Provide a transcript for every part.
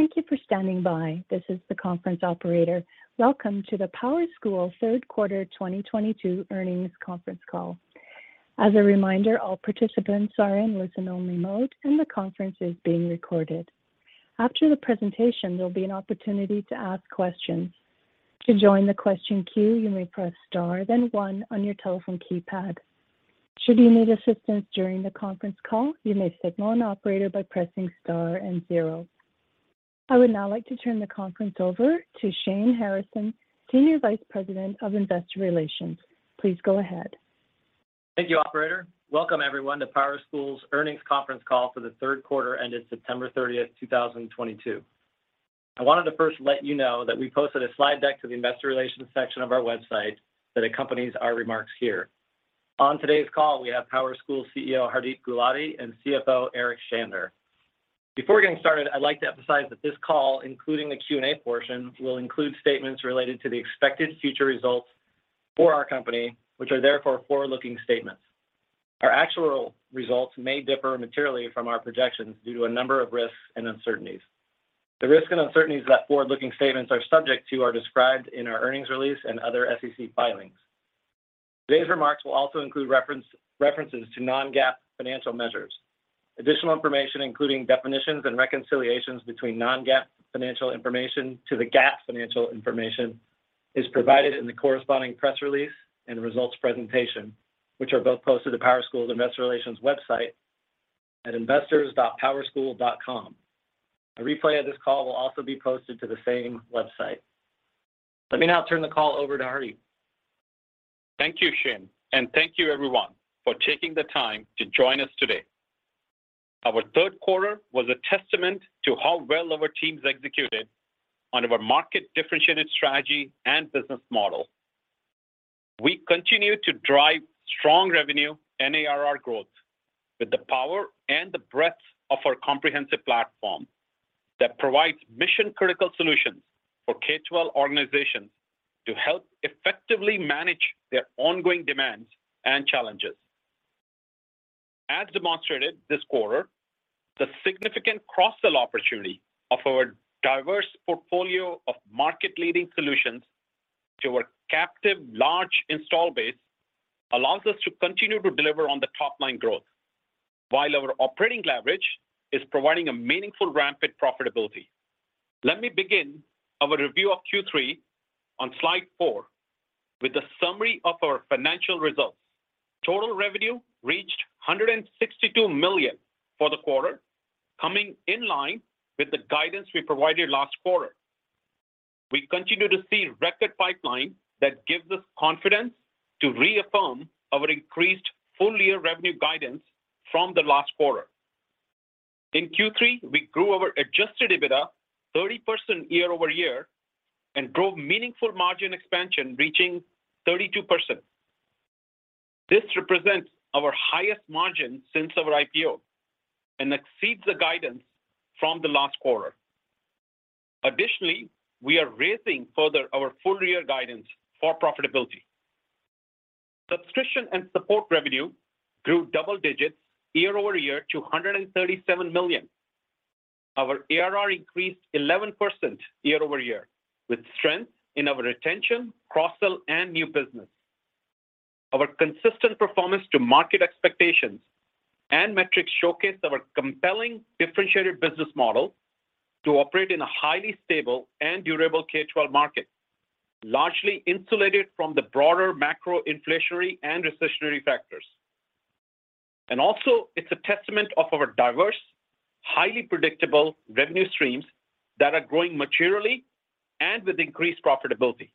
Thank you for standing by. This is the conference operator. Welcome to the PowerSchool third quarter 2022 earnings conference call. As a reminder, all participants are in listen-only mode, and the conference is being recorded. After the presentation, there'll be an opportunity to ask questions. To join the question queue, you may press star then one on your telephone keypad. Should you need assistance during the conference call, you may signal an operator by pressing star and zero. I would now like to turn the conference over to Shane Harrison, Senior Vice President of Investor Relations. Please go ahead. Thank you, operator. Welcome everyone to PowerSchool's Earnings Conference Call for the third quarter ended September 30th, 2022. I wanted to first let you know that we posted a slide deck to the investor relations section of our website that accompanies our remarks here. On today's call, we have PowerSchool CEO, Hardeep Gulati, and CFO, Eric Shander. Before getting started, I'd like to emphasize that this call, including the Q&A portion, will include statements related to the expected future results for our company, which are therefore forward-looking statements. Our actual results may differ materially from our projections due to a number of risks and uncertainties. The risks and uncertainties that forward-looking statements are subject to are described in our earnings release and other SEC filings. Today's remarks will also include references to non-GAAP financial measures. Additional information, including definitions and reconciliations between non-GAAP financial information to the GAAP financial information, is provided in the corresponding press release and results presentation, which are both posted to PowerSchool's investor relations website at investors.powerschool.com. A replay of this call will also be posted to the same website. Let me now turn the call over to Hardeep. Thank you, Shane, and thank you everyone for taking the time to join us today. Our third quarter was a testament to how well our teams executed on our market differentiated strategy and business model. We continue to drive strong revenue and ARR growth with the power and the breadth of our comprehensive platform that provides mission-critical solutions for K-12 organizations to help effectively manage their ongoing demands and challenges. As demonstrated this quarter, the significant cross-sell opportunity of our diverse portfolio of market-leading solutions to our captive large install base allows us to continue to deliver on the top-line growth, while our operating leverage is providing a meaningful ramp in profitability. Let me begin our review of Q3 on Slide 4 with a summary of our financial results. Total revenue reached $162 million for the quarter, coming in line with the guidance we provided last quarter. We continue to see record pipeline that gives us confidence to reaffirm our increased full-year revenue guidance from the last quarter. In Q3, we grew our adjusted EBITDA 30% year-over-year and drove meaningful margin expansion, reaching 32%. This represents our highest margin since our IPO and exceeds the guidance from the last quarter. Additionally, we are raising further our full-year guidance for profitability. Subscription and support revenue grew double digits year-over-year to $137 million. Our ARR increased 11% year-over-year with strength in our retention, cross-sell, and new business. Our consistent performance to market expectations and metrics showcase our compelling differentiated business model to operate in a highly stable and durable K-12 market, largely insulated from the broader macro inflationary and recessionary factors. Also, it's a testament of our diverse, highly predictable revenue streams that are growing materially and with increased profitability.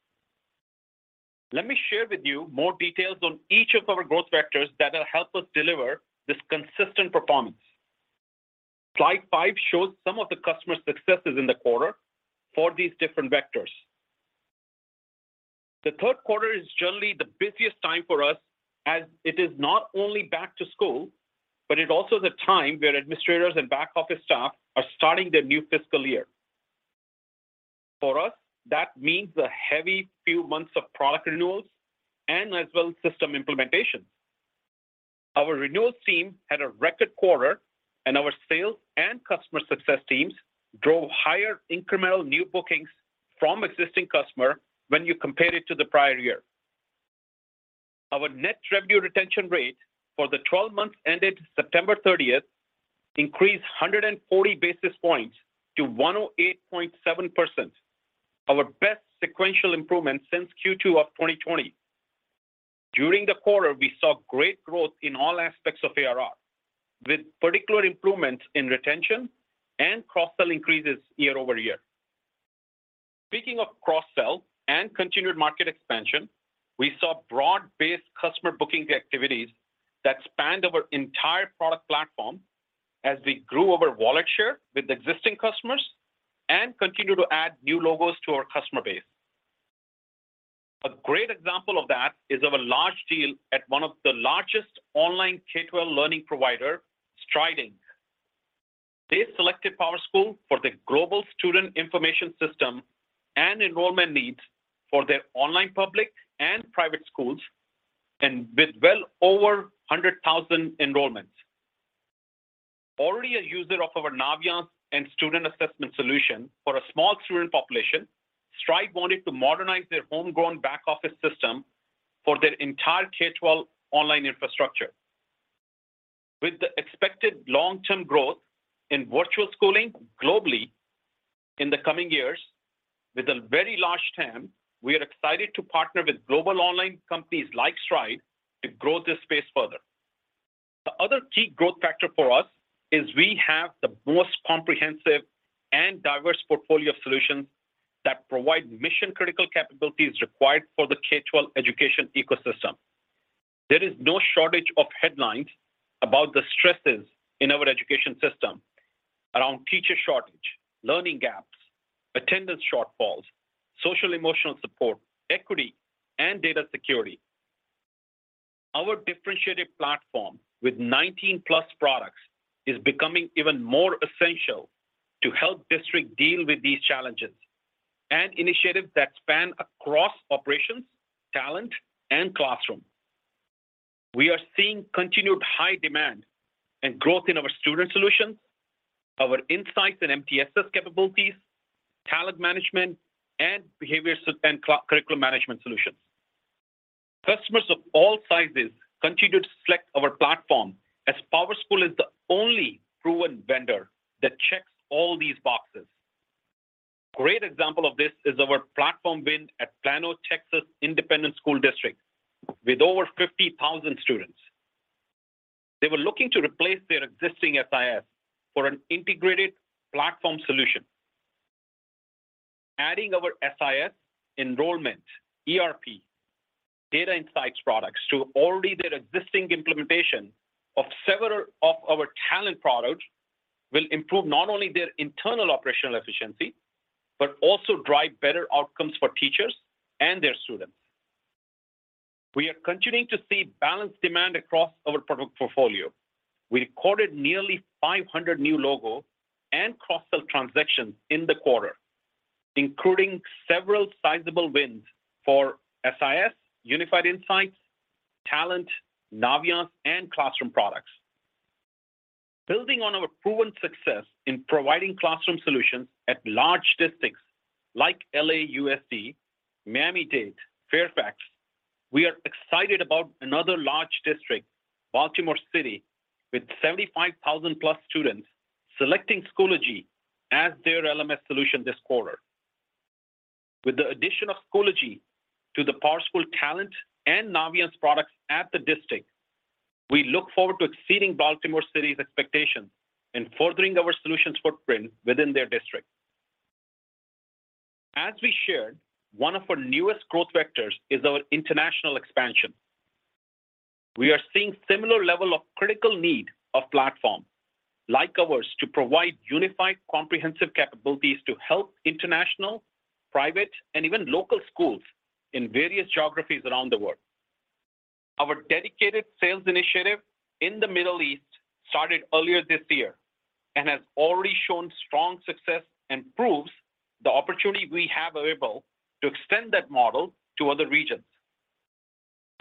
Let me share with you more details on each of our growth vectors that will help us deliver this consistent performance. Slide 5 shows some of the customer successes in the quarter for these different vectors. The third quarter is generally the busiest time for us as it is not only back to school, but it also is a time where administrators and back office staff are starting their new fiscal year. For us, that means a heavy few months of product renewals and as well system implementation. Our renewals team had a record quarter, and our sales and customer success teams drove higher incremental new bookings from existing customer when you compare it to the prior year. Our net revenue retention rate for the 12 months ended September thirtieth increased 140 basis points to 108.7%, our best sequential improvement since Q2 of 2020. During the quarter, we saw great growth in all aspects of ARR, with particular improvements in retention and cross-sell increases year-over-year. Speaking of cross-sell and continued market expansion, we saw broad-based customer booking activities that spanned our entire product platform as we grew our wallet share with existing customers and continued to add new logos to our customer base. A great example of that is of a large deal at one of the largest online K-12 learning provider, Stride. They selected PowerSchool for their global student information system and enrollment needs for their online public and private schools and with well over 100,000 enrollments. Already a user of our Naviance and student assessment solution for a small student population, Stride wanted to modernize their homegrown back office system for their entire K-12 online infrastructure. With the expected long-term growth in virtual schooling globally in the coming years with a very large TAM, we are excited to partner with global online companies like Stride to grow this space further. The other key growth factor for us is we have the most comprehensive and diverse portfolio of solutions that provide mission-critical capabilities required for the K-12 education ecosystem. There is no shortage of headlines about the stresses in our education system around teacher shortage, learning gaps, attendance shortfalls, social emotional support, equity and data security. Our differentiated platform with 19+ products is becoming even more essential to help districts deal with these challenges and initiatives that span across operations, talent, and classroom. We are seeing continued high demand and growth in our student solutions, our insights and MTSS capabilities, talent management and behavior and curriculum management solutions. Customers of all sizes continue to select our platform as PowerSchool is the only proven vendor that checks all these boxes. Great example of this is our platform win at Plano Independent School District with over 50,000 students. They were looking to replace their existing SIS for an integrated platform solution. Adding our SIS enrollment, ERP, data insights products to already their existing implementation of several of our talent products will improve not only their internal operational efficiency, but also drive better outcomes for teachers and their students. We are continuing to see balanced demand across our product portfolio. We recorded nearly 500 new logo and cross-sell transactions in the quarter, including several sizable wins for SIS, Unified Insights, Talent, Naviance and Classroom products. Building on our proven success in providing classroom solutions at large districts like LAUSD, Miami-Dade, Fairfax, we are excited about another large district, Baltimore City, with 75,000+ students selecting Schoology as their LMS solution this quarter. With the addition of Schoology to the PowerSchool Talent and Naviance products at the district, we look forward to exceeding Baltimore City's expectations and furthering our solutions footprint within their district. As we shared, one of our newest growth vectors is our international expansion. We are seeing similar level of critical need of platform like ours to provide unified, comprehensive capabilities to help international, private, and even local schools in various geographies around the world. Our dedicated sales initiative in the Middle East started earlier this year and has already shown strong success and proves the opportunity we have available to extend that model to other regions.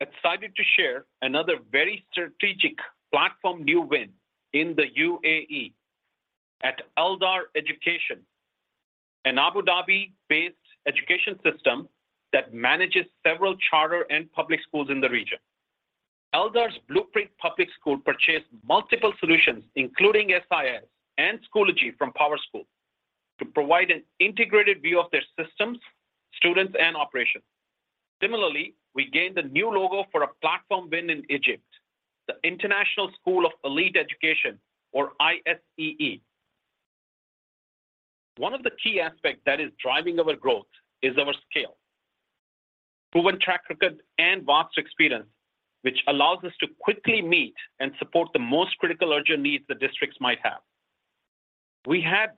Excited to share another very strategic platform new win in the UAE at Aldar Education, an Abu Dhabi-based education system that manages several charter and public schools in the region. Aldar's Blueprint Public School purchased multiple solutions, including SIS and Schoology from PowerSchool, to provide an integrated view of their systems, students, and operations. Similarly, we gained a new logo for a platform win in Egypt, the International School of Elite Education or ISEE. One of the key aspects that is driving our growth is our scale. Proven track record and vast experience, which allows us to quickly meet and support the most critical urgent needs the districts might have. We had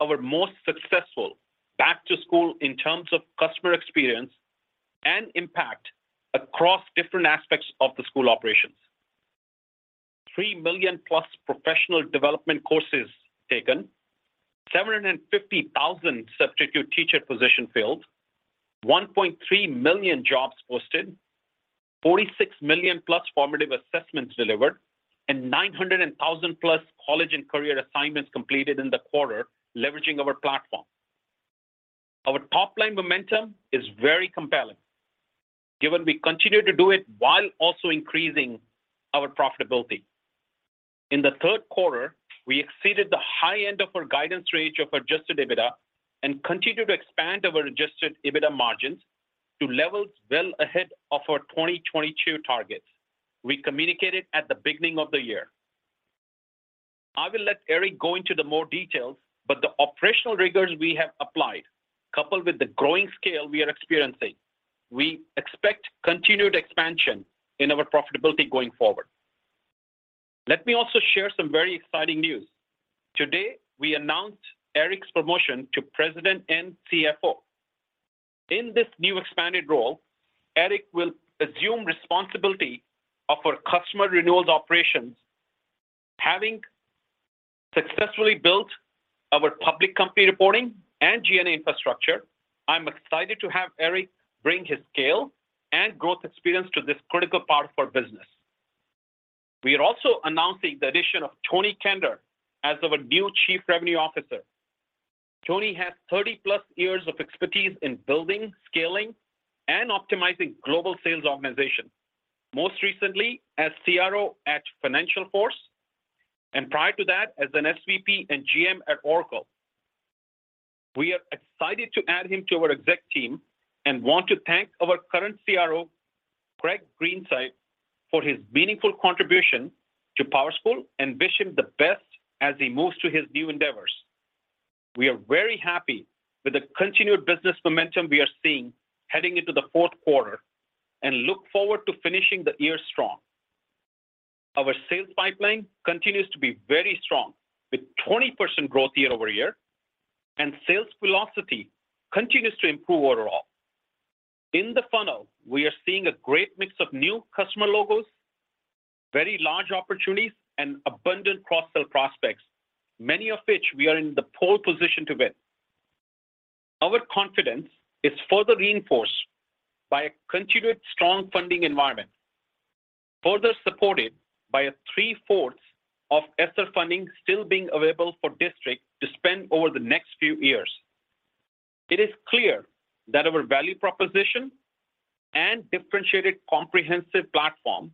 our most successful back-to-school in terms of customer experience and impact across different aspects of the school operations. 3 million+ professional development courses taken. 750,000 substitute teacher positions filled. 1.3 million jobs posted. 46 million+ formative assessments delivered, and 900,000+ college and career assignments completed in the quarter leveraging our platform. Our top-line momentum is very compelling, given we continue to do it while also increasing our profitability. In the third quarter, we exceeded the high end of our guidance range of adjusted EBITDA and continued to expand our adjusted EBITDA margins to levels well ahead of our 2022 targets we communicated at the beginning of the year. I will let Eric go into the more details, but the operational rigors we have applied, coupled with the growing scale we are experiencing, we expect continued expansion in our profitability going forward. Let me also share some very exciting news. Today, we announced Eric's promotion to President and CFO. In this new expanded role, Eric will assume responsibility of our customer renewals operations, having successfully built our public company reporting and G&A infrastructure. I'm excited to have Eric bring his scale and growth experience to this critical part of our business. We are also announcing the addition of Tony Kender as our new Chief Revenue Officer. Tony has 30+ years of expertise in building, scaling, and optimizing global sales organizations, most recently as CRO at FinancialForce, and prior to that, as an SVP and GM at Oracle. We are excited to add him to our exec team and want to thank our current CRO, Greg Porter, for his meaningful contribution to PowerSchool, and wish him the best as he moves to his new endeavors. We are very happy with the continued business momentum we are seeing heading into the fourth quarter and look forward to finishing the year strong. Our sales pipeline continues to be very strong with 20% growth year-over-year, and sales velocity continues to improve overall. In the funnel, we are seeing a great mix of new customer logos, very large opportunities, and abundant cross-sell prospects, many of which we are in the pole position to win. Our confidence is further reinforced by a continued strong funding environment, further supported by three-fourths of ESSER funding still being available for districts to spend over the next few years. It is clear that our value proposition and differentiated comprehensive platform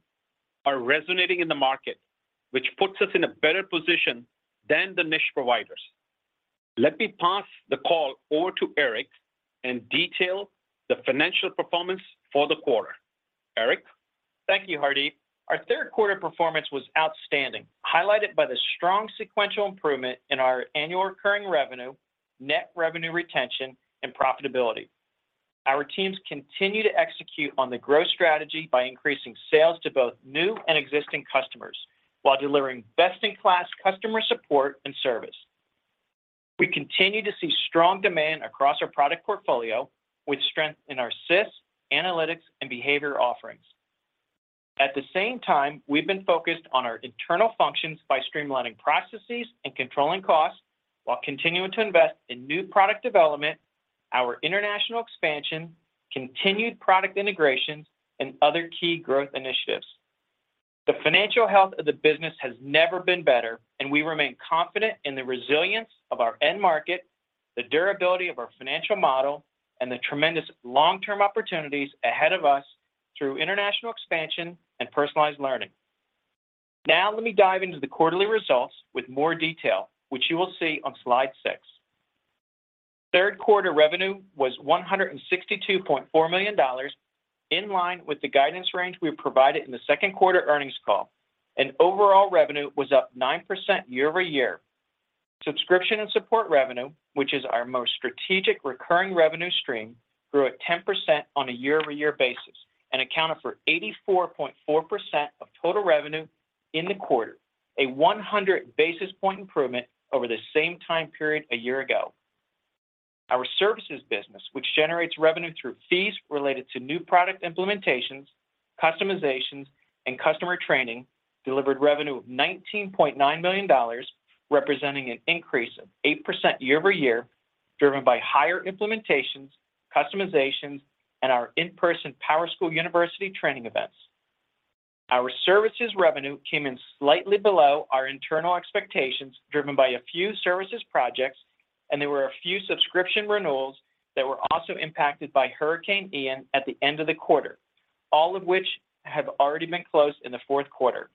are resonating in the market, which puts us in a better position than the niche providers. Let me pass the call over to Eric and detail the financial performance for the quarter. Eric? Thank you, Hardeep. Our third quarter performance was outstanding, highlighted by the strong sequential improvement in our annual recurring revenue, net revenue retention, and profitability. Our teams continue to execute on the growth strategy by increasing sales to both new and existing customers while delivering best-in-class customer support and service. We continue to see strong demand across our product portfolio with strength in our SIS, analytics, and behavior offerings. At the same time, we've been focused on our internal functions by streamlining processes and controlling costs while continuing to invest in new product development, our international expansion, continued product integrations, and other key growth initiatives. The financial health of the business has never been better, and we remain confident in the resilience of our end market, the durability of our financial model, and the tremendous long-term opportunities ahead of us through international expansion and personalized learning. Now let me dive into the quarterly results with more detail, which you will see on Slide 6. Third quarter revenue was $162.4 million, in line with the guidance range we provided in the second quarter earnings call, and overall revenue was up 9% year-over-year. Subscription and support revenue, which is our most strategic recurring revenue stream, grew at 10% on a year-over-year basis and accounted for 84.4% of total revenue in the quarter, a 100 basis point improvement over the same time period a year ago. Our services business, which generates revenue through fees related to new product implementations, customizations, and customer training, delivered revenue of $19.9 million, representing an increase of 8% year-over-year, driven by higher implementations, customizations, and our in-person PowerSchool University training events. Our services revenue came in slightly below our internal expectations, driven by a few services projects, and there were a few subscription renewals that were also impacted by Hurricane Ian at the end of the quarter, all of which have already been closed in the fourth quarter.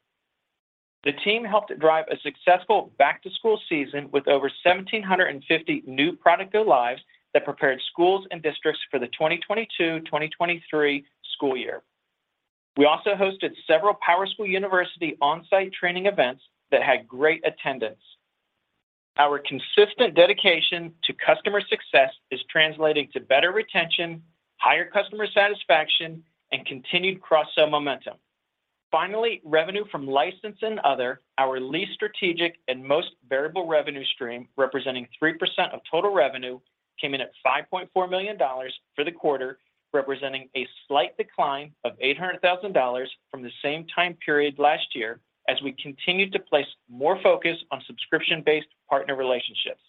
The team helped drive a successful back-to-school season with over 1,750 new product go lives that prepared schools and districts for the 2022-2023 school year. We also hosted several PowerSchool University on-site training events that had great attendance. Our consistent dedication to customer success is translating to better retention, higher customer satisfaction, and continued cross-sell momentum. Finally, revenue from license and other, our least strategic and most variable revenue stream, representing 3% of total revenue, came in at $5.4 million for the quarter, representing a slight decline of $800,000 from the same time period last year as we continued to place more focus on subscription-based partner relationships.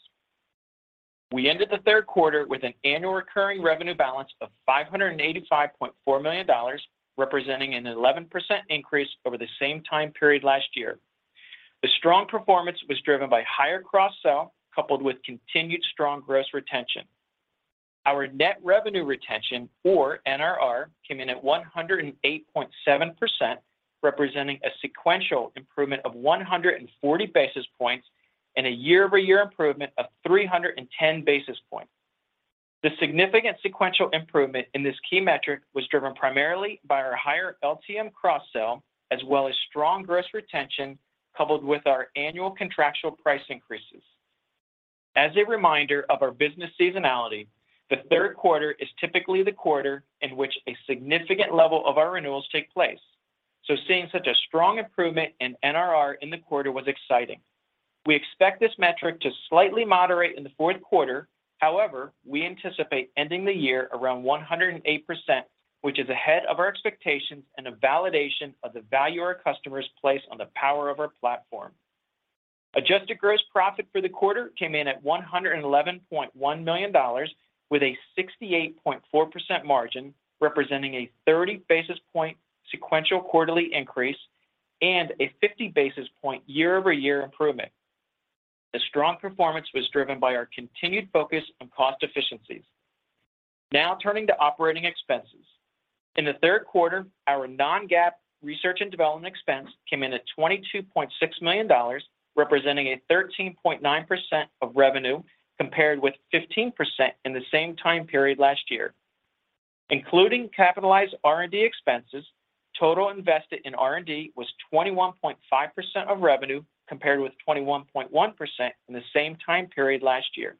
We ended the third quarter with an annual recurring revenue balance of $585.4 million, representing an 11% increase over the same time period last year. The strong performance was driven by higher cross-sell coupled with continued strong gross retention. Our net revenue retention, or NRR, came in at 108.7%, representing a sequential improvement of 140 basis points and a year-over-year improvement of 310 basis points. The significant sequential improvement in this key metric was driven primarily by our higher LTM cross-sell as well as strong gross retention coupled with our annual contractual price increases. As a reminder of our business seasonality, the third quarter is typically the quarter in which a significant level of our renewals take place. Seeing such a strong improvement in NRR in the quarter was exciting. We expect this metric to slightly moderate in the fourth quarter. However, we anticipate ending the year around 108% which is ahead of our expectations and a validation of the value our customers place on the power of our platform. Adjusted gross profit for the quarter came in at $111.1 million with a 68.4% margin, representing a 30 basis point sequential quarterly increase and a 50 basis point year-over-year improvement. The strong performance was driven by our continued focus on cost efficiencies. Now turning to operating expenses. In the third quarter, our non-GAAP research and development expense came in at $22.6 million, representing 13.9% of revenue, compared with 15% in the same time period last year. Including capitalized R&D expenses, total invested in R&D was 21.5% of revenue, compared with 21.1% in the same time period last year,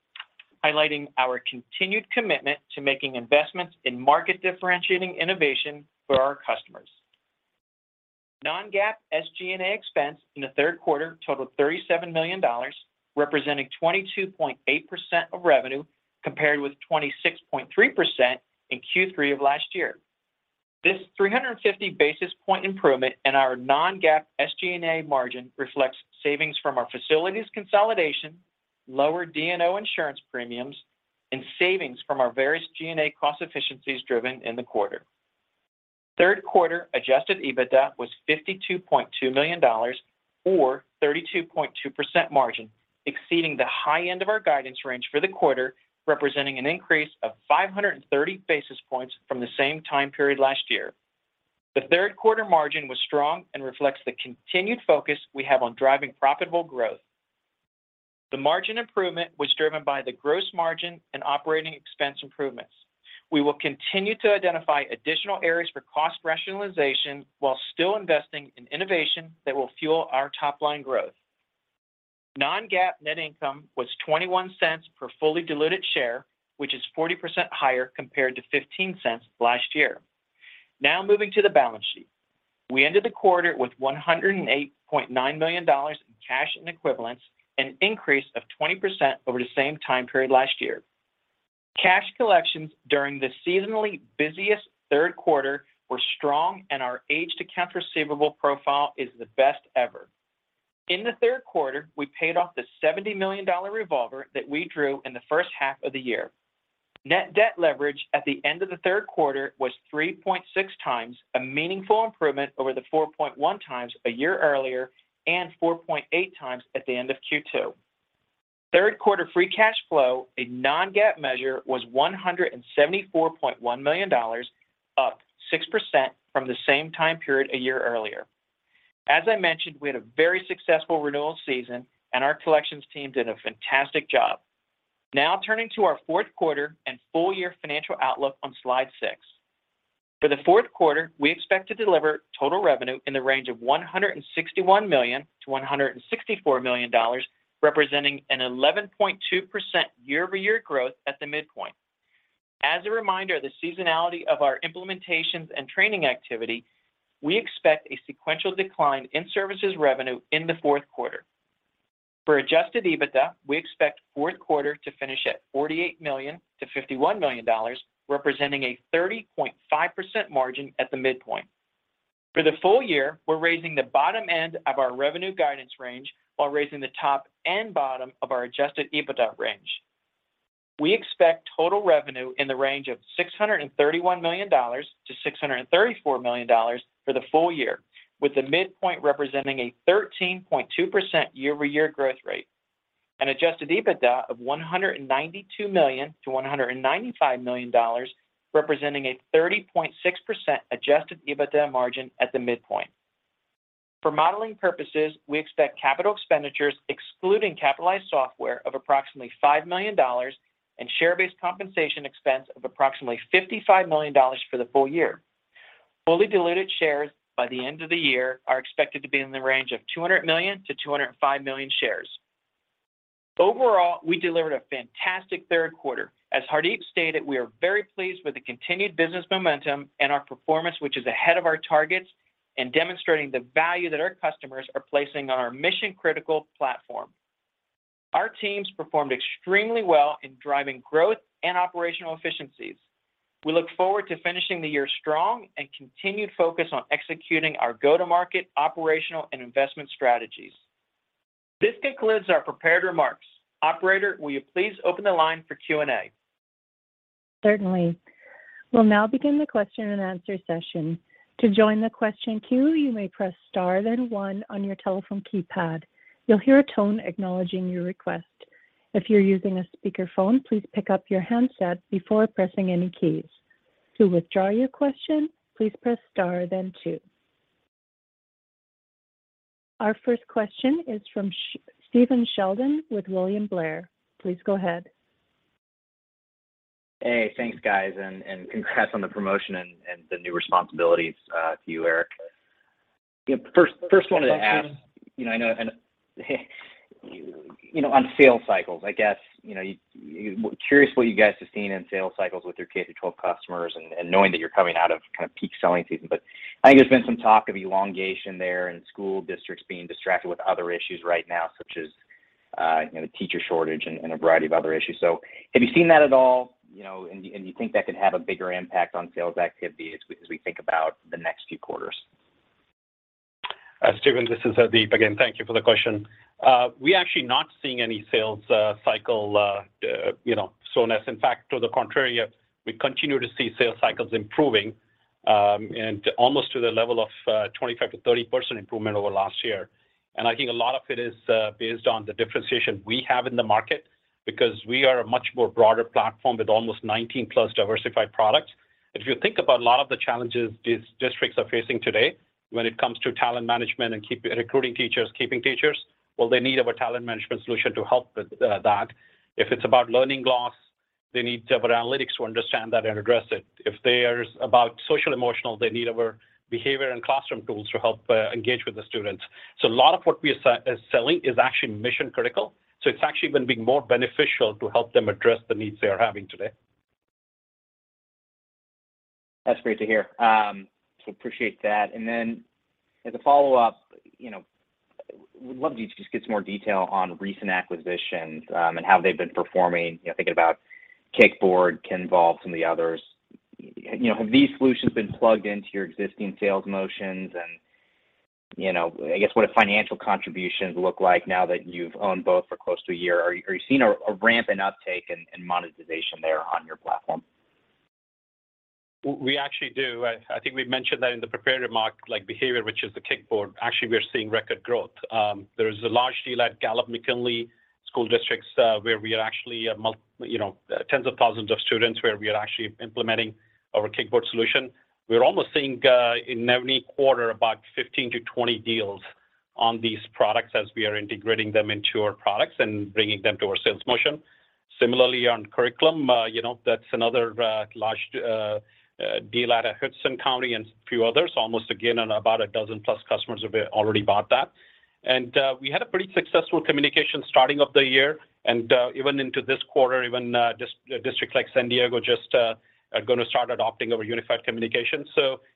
highlighting our continued commitment to making investments in market differentiating innovation for our customers. Non-GAAP SG&A expense in the third quarter totaled $37 million, representing 22.8% of revenue, compared with 26.3% in Q3 of last year. This 350 basis point improvement in our non-GAAP SG&A margin reflects savings from our facilities consolidation, lower D&O insurance premiums, and savings from our various G&A cost efficiencies driven in the quarter. Third quarter adjusted EBITDA was $52.2 million or 32.2% margin, exceeding the high end of our guidance range for the quarter, representing an increase of 530 basis points from the same time period last year. The third quarter margin was strong and reflects the continued focus we have on driving profitable growth. The margin improvement was driven by the gross margin and operating expense improvements. We will continue to identify additional areas for cost rationalization while still investing in innovation that will fuel our top-line growth. Non-GAAP net income was $0.21 per fully diluted share, which is 40% higher compared to $0.15 last year. Now moving to the balance sheet. We ended the quarter with $108.9 million in cash and equivalents, an increase of 20% over the same time period last year. Cash collections during the seasonally busiest third quarter were strong, and our age to accounts receivable profile is the best ever. In the third quarter, we paid off the $70 million revolver that we drew in the first half of the year. Net debt leverage at the end of the third quarter was 3.6x, a meaningful improvement over the 4.1x a year earlier and 4.8x at the end of Q2. Third quarter free cash flow, a non-GAAP measure, was $174.1 million, up 6% from the same time period a year earlier. As I mentioned, we had a very successful renewal season and our collections team did a fantastic job. Now turning to our fourth quarter and full year financial outlook on Slide 6. For the fourth quarter, we expect to deliver total revenue in the range of $161 million-$164 million, representing an 11.2% year-over-year growth at the midpoint. As a reminder of the seasonality of our implementations and training activity, we expect a sequential decline in services revenue in the fourth quarter. For adjusted EBITDA, we expect fourth quarter to finish at $48 million-$51 million, representing a 30.5% margin at the midpoint. For the full year, we're raising the bottom end of our revenue guidance range while raising the top and bottom of our adjusted EBITDA range. We expect total revenue in the range of $631 million-$634 million for the full year, with the midpoint representing a 13.2% year-over-year growth rate. An adjusted EBITDA of $192 million-$195 million, representing a 30.6% adjusted EBITDA margin at the midpoint. For modeling purposes, we expect capital expenditures excluding capitalized software of approximately $5 million and share-based compensation expense of approximately $55 million for the full year. Fully diluted shares by the end of the year are expected to be in the range of 200 million-205 million shares. Overall, we delivered a fantastic third quarter. As Hardeep stated, we are very pleased with the continued business momentum and our performance, which is ahead of our targets and demonstrating the value that our customers are placing on our mission-critical platform. Our teams performed extremely well in driving growth and operational efficiencies. We look forward to finishing the year strong and continued focus on executing our go-to-market operational and investment strategies. This concludes our prepared remarks. Operator, will you please open the line for Q&A? Certainly. We'll now begin the question and answer session. To join the question queue, you may press star, then one on your telephone keypad. You'll hear a tone acknowledging your request. If you're using a speakerphone, please pick up your handset before pressing any keys. To withdraw your question, please press star, then two. Our first question is from Stephen Sheldon with William Blair. Please go ahead. Hey, thanks guys, and congrats on the promotion and the new responsibilities to you, Eric. First one I had to ask, you know, I know. You know, on sales cycles, I guess, you know, curious what you guys have seen in sales cycles with your K-12 customers and knowing that you're coming out of kind of peak selling season. I think there's been some talk of elongation there and school districts being distracted with other issues right now, such as you know, the teacher shortage and a variety of other issues. Have you seen that at all, you know, and you think that could have a bigger impact on sales activity as we think about the next few quarters? Stephen, this is Hardeep. Again, thank you for the question. We're actually not seeing any sales cycle slowness. In fact, to the contrary, we continue to see sales cycles improving, and almost to the level of 25%-30% improvement over last year. I think a lot of it is based on the differentiation we have in the market because we are a much more broader platform with almost 19+ diversified products. If you think about a lot of the challenges these districts are facing today when it comes to talent management and recruiting teachers, keeping teachers, they need our talent management solution to help with that. If it's about learning loss, they need to put analytics to understand that and address it. If there's about social emotional, they need our behavior and classroom tools to help engage with the students. A lot of what we are selling is actually mission critical, so it's actually been more beneficial to help them address the needs they are having today. That's great to hear. Appreciate that. As a follow-up, you know, would love to just get some more detail on recent acquisitions, and how they've been performing, you know, thinking about Kickboard, Kinvolved, some of the others. You know, have these solutions been plugged into your existing sales motions? You know, I guess, what do financial contributions look like now that you've owned both for close to a year? Are you seeing a rampant uptake in monetization there on your platform? We actually do. I think we've mentioned that in the prepared remarks. Like, Behavior, which is the Kickboard, actually we're seeing record growth. There is a large deal at Gallup-McKinley County Schools, where we are actually you know, tens of thousands of students where we are actually implementing our Kickboard solution. We're almost seeing in every quarter about 15-20 deals on these products as we are integrating them into our products and bringing them to our sales motion. Similarly on curriculum, you know, that's another large deal out of Hudson County and a few others. Almost again about a dozen-plus customers have already bought that. We had a pretty successful communication starting of the year and even into this quarter. A district like San Diego just are gonna start adopting our unified communication.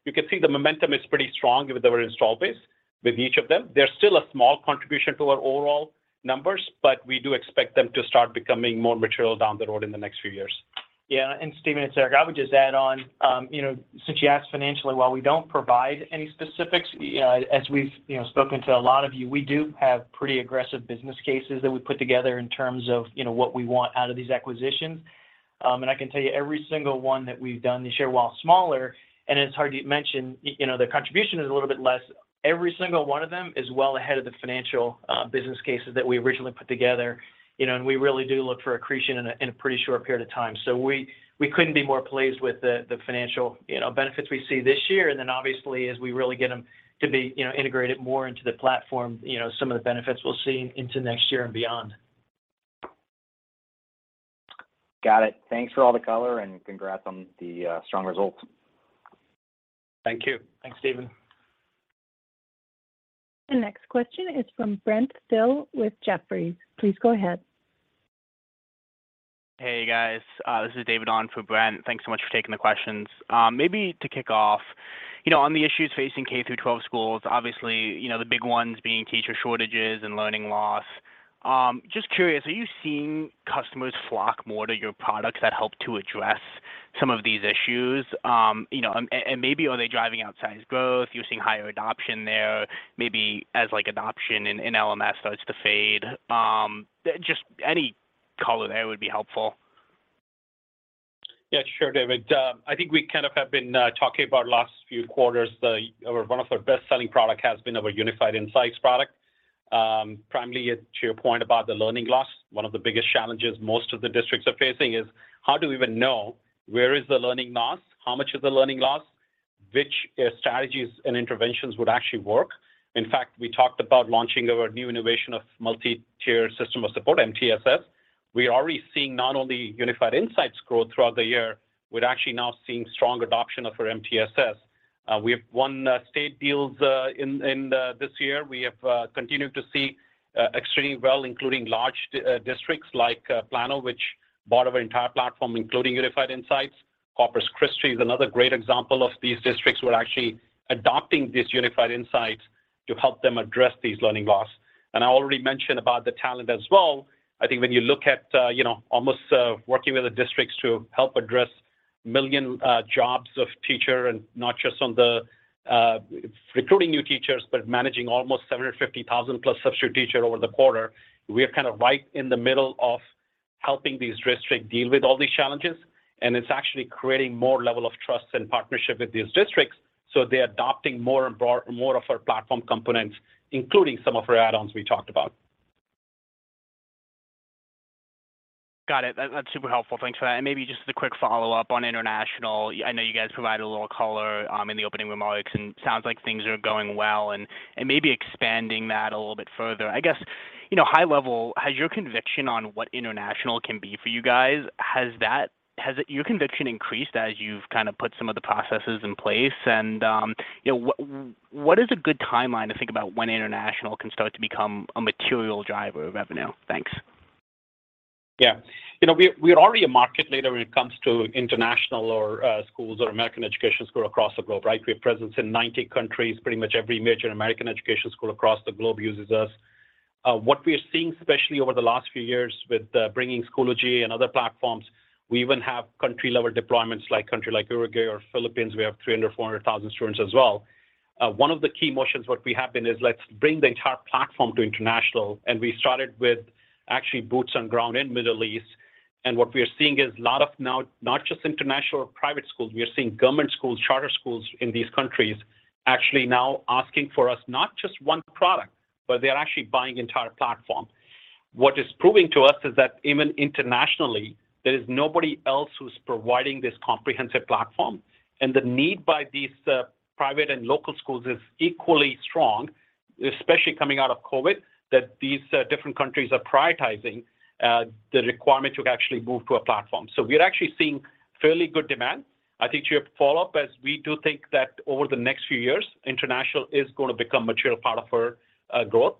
You can see the momentum is pretty strong with our install base with each of them. They're still a small contribution to our overall numbers, but we do expect them to start becoming more material down the road in the next few years. Yeah. Stephen and Shander, I would just add on, you know, since you asked financially, while we don't provide any specifics, as we've, you know, spoken to a lot of you, we do have pretty aggressive business cases that we put together in terms of, you know, what we want out of these acquisitions. I can tell you every single one that we've done this year, while smaller, and as Hardeep mentioned, you know, the contribution is a little bit less, every single one of them is well ahead of the financial, business cases that we originally put together. You know, we really do look for accretion in a pretty short period of time. We couldn't be more pleased with the financial, you know, benefits we see this year. Obviously as we really get them to be, you know, integrated more into the platform, you know, some of the benefits we'll see into next year and beyond. Got it. Thanks for all the color, and congrats on the strong results. Thank you. Thanks, Stephen. The next question is from Brent Thill with Jefferies. Please go ahead. Hey, guys. This is David on for Brent. Thanks so much for taking the questions. Maybe to kick off, you know, on the issues facing K-12 schools, obviously, you know, the big ones being teacher shortages and learning loss, just curious, are you seeing customers flock more to your products that help to address some of these issues? You know, and maybe are they driving outsized growth? You're seeing higher adoption there, maybe as like adoption in LMS starts to fade. Just any color there would be helpful. Yeah, sure, David. I think we kind of have been talking about last few quarters, our one of our best-selling product has been our Unified Insights product. Primarily to your point about the learning loss, one of the biggest challenges most of the districts are facing is how to even know where is the learning loss, how much is the learning loss, which strategies and interventions would actually work. In fact, we talked about launching our new innovation of multi-tiered system of supports, MTSS. We are already seeing not only Unified Insights growth throughout the year, we're actually now seeing strong adoption of our MTSS. We have won state deals in this year. We have continued to see extremely well, including large districts like Plano, which bought our entire platform, including Unified Insights. Corpus Christi is another great example of these districts who are actually adopting these Unified Insights to help them address these learning loss. I already mentioned about the talent as well. I think when you look at, you know, almost working with the districts to help address a million teacher jobs and not just on the recruiting new teachers, but managing almost 750,000+ substitute teachers over the quarter, we are kind of right in the middle of helping these districts deal with all these challenges, and it's actually creating more level of trust and partnership with these districts, so they're adopting more and more of our platform components, including some of our add-ons we talked about. Got it. That's super helpful. Thanks for that. Maybe just a quick follow-up on international. I know you guys provided a little color in the opening remarks, and it sounds like things are going well. Maybe expanding that a little bit further. I guess, you know, high level, has your conviction on what international can be for you guys increased as you've kind of put some of the processes in place? You know, what is a good timeline to think about when international can start to become a material driver of revenue? Thanks. Yeah. You know, we're already a market leader when it comes to international schools or American education school across the globe, right? We have presence in 90 countries. Pretty much every major American education school across the globe uses us. What we are seeing, especially over the last few years with bringing Schoology and other platforms, we even have country-level deployments like Uruguay or Philippines. We have 300-400 thousand students as well. One of the key motions what we have been is let's bring the entire platform to international, and we started with actually boots on ground in Middle East. What we are seeing is a lot of now not just international private schools, we are seeing government schools, charter schools in these countries actually now asking for us not just one product, but they are actually buying entire platform. What is proving to us is that even internationally, there is nobody else who's providing this comprehensive platform. The need by these private and local schools is equally strong, especially coming out of COVID, that these different countries are prioritizing the requirement to actually move to a platform. We're actually seeing fairly good demand. I think to your follow-up, as we do think that over the next few years, international is gonna become material part of our growth.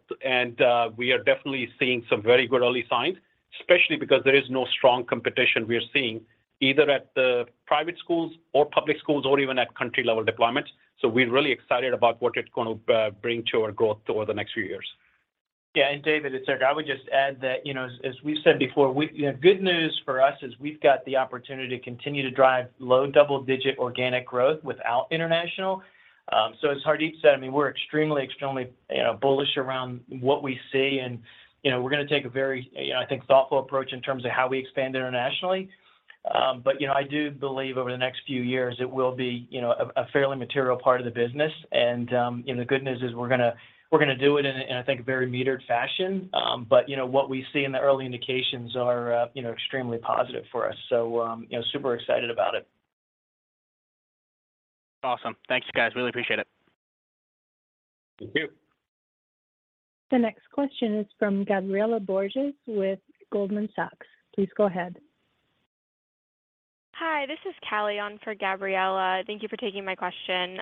We are definitely seeing some very good early signs, especially because there is no strong competition we are seeing either at the private schools or public schools or even at country-level deployments. We're really excited about what it's gonna bring to our growth over the next few years. Yeah. David, it's Eric. I would just add that, you know, as we've said before, you know, good news for us is we've got the opportunity to continue to drive low double-digit organic growth without international. As Hardeep said, I mean, we're extremely, you know, bullish around what we see. We're gonna take a very, you know, I think thoughtful approach in terms of how we expand internationally. I do believe over the next few years, it will be, you know, a fairly material part of the business. The good news is we're gonna do it in a, I think, a very metered fashion. What we see in the early indications are, you know, extremely positive for us. You know, super excited about it. Awesome. Thank you, guys. Really appreciate it. Thank you. The next question is from Gabriela Borges with Goldman Sachs. Please go ahead. Hi, this is Callie on for Gabriela. Thank you for taking my question.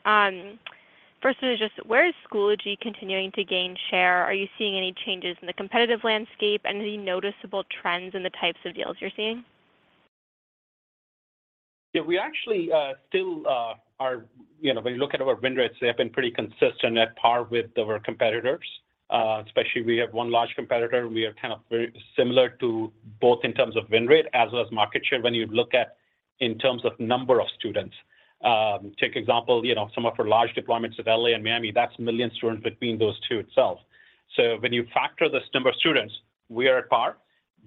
First, just where is Schoology continuing to gain share? Are you seeing any changes in the competitive landscape? Any noticeable trends in the types of deals you're seeing? Yeah, we actually still are. You know, when you look at our win rates, they have been pretty consistent at par with our competitors. Especially, we have one large competitor, and we are kind of very similar to both in terms of win rate as well as market share when you look at it in terms of number of students. For example, you know, some of our large deployments in L.A. and Miami, that's 1 million students between those two itself. So when you factor this number of students, we are at par.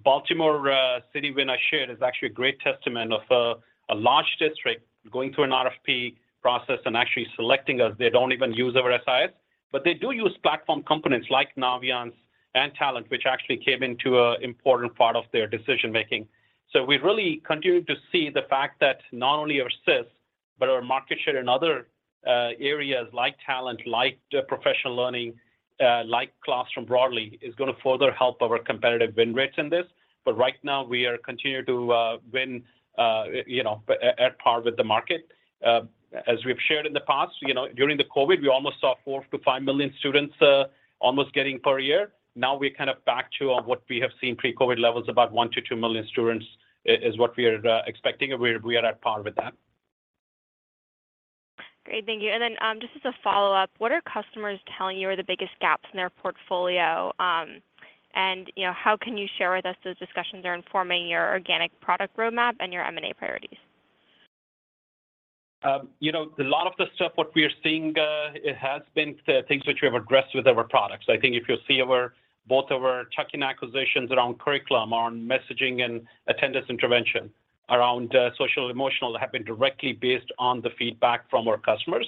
Baltimore City win I shared is actually a great testament to a large district going through an RFP process and actually selecting us. They don't even use our SIS, but they do use platform components like Naviance and Talent, which actually came into an important part of their decision-making. We've really continued to see the fact that not only our SIS, but our market share in other areas like talent, like professional learning, like classroom broadly, is gonna further help our competitive win rates in this. Right now we are continuing to win, you know, at par with the market. As we've shared in the past, you know, during the COVID, we almost saw 4-5 million students almost getting per year. Now we're kind of back to what we have seen pre-COVID levels, about 1-2 million students is what we are expecting, and we are at par with that. Great. Thank you. Just as a follow-up, what are customers telling you are the biggest gaps in their portfolio? You know, how can you share with us those discussions that are informing your organic product roadmap and your M&A priorities? You know, a lot of the stuff what we are seeing, it has been the things which we have addressed with our products. I think if you'll see our both our tuck-in acquisitions around curriculum, around messaging and attendance intervention, around social emotional have been directly based on the feedback from our customers.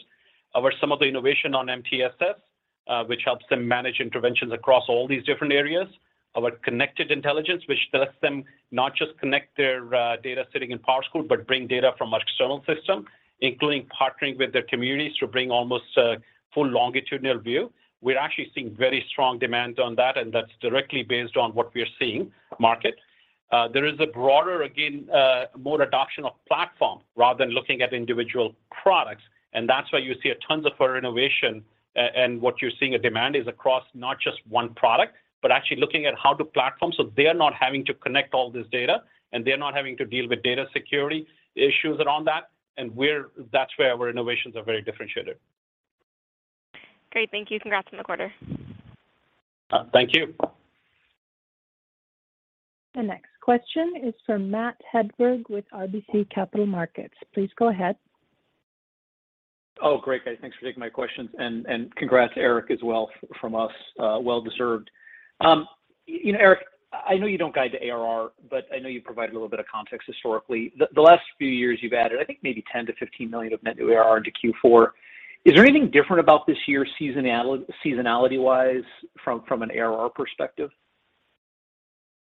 Where some of the innovation on MTSS, which helps them manage interventions across all these different areas. Our Connected Intelligence, which lets them not just connect their data sitting in PowerSchool, but bring data from external system, including partnering with their communities to bring almost a full longitudinal view. We're actually seeing very strong demand on that, and that's directly based on what we are seeing in the market. There is a broader, again, more adoption of platform rather than looking at individual products. That's why you see a ton of our innovation and what you're seeing the demand is across not just one product, but actually looking at how the platform so they are not having to connect all this data, and they're not having to deal with data security issues around that. That's where our innovations are very differentiated. Great. Thank you. Congrats on the quarter. Thank you. The next question is from Matt Hedberg with RBC Capital Markets. Please go ahead. Oh, great, guys. Thanks for taking my questions. Congrats, Eric, as well from us. Well deserved. You know, Eric, I know you don't guide to ARR, but I know you provide a little bit of context historically. The last few years you've added, I think, maybe $10 million-$15 million of net new ARR into Q4. Is there anything different about this year seasonality-wise from an ARR perspective?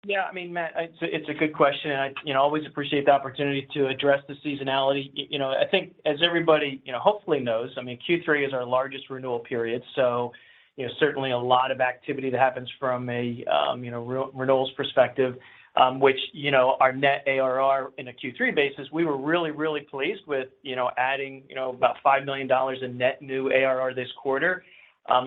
Yeah, I mean, Matt, it's a good question, and I you know always appreciate the opportunity to address the seasonality. You know, I think as everybody you know hopefully knows, I mean, Q3 is our largest renewal period. You know, certainly a lot of activity that happens from a renewals perspective, which you know our net ARR on a Q3 basis, we were really pleased with, you know, adding you know about $5 million in net new ARR this quarter.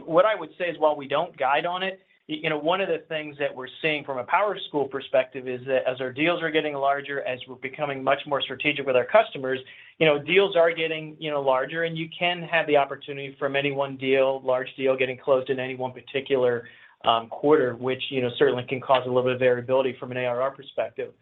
What I would say is, while we don't guide on it, you know, one of the things that we're seeing from a PowerSchool perspective is that as our deals are getting larger, as we're becoming much more strategic with our customers, you know, deals are getting larger, and you can have the opportunity from any one deal, large deal, getting closed in any one particular quarter, which, you know, certainly can cause a little bit of variability from an ARR perspective.